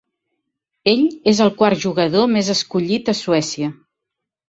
Ell és el quart jugador més escollit a Suècia.